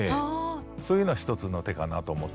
そういうのは一つの手かなと思ってますね。